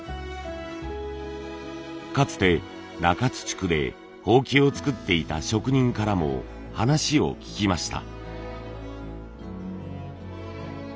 かつて中津地区で箒を作っていた職人からも話を聞きました。